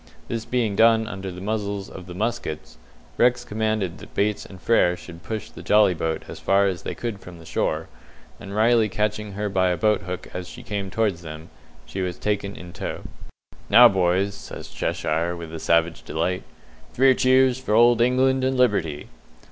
This being done under the muzzles of the muskets, Rex commanded that Bates and Frere should push the jolly boat as far as they could from the shore, and Riley catching her by a boat hook as she came towards them, she was taken in tow. "Now, boys," says Cheshire, with a savage delight, "three cheers for old England and Liberty!"